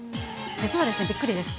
実はですね、びっくりです。